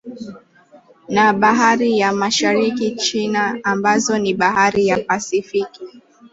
Na Bahari ya Mashariki China ambazo ni Bahari ya Pasifiki